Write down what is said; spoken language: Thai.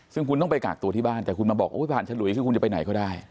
ซึ่งคุณต้องไปกากตัวที่บ้านแต่คุณมาบอกผ่านฉลุยคือคุณจะไปไหนก็ได้